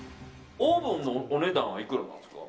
オーブンのお値段はいくらなんですか。